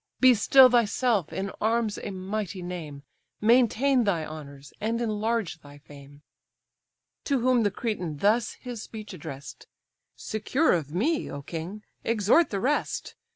Be still thyself, in arms a mighty name; Maintain thy honours, and enlarge thy fame." To whom the Cretan thus his speech address'd: "Secure of me, O king! exhort the rest.